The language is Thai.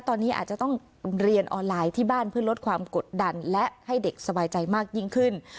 ตอนนี้อาจจะต้องเรียนออนไลน์ที่บ้านเพื่อลดความกดดันและให้เด็กสบายใจมากยิ่งขึ้น